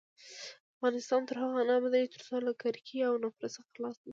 افغانستان تر هغو نه ابادیږي، ترڅو له کرکې او نفرت څخه خلاص نشو.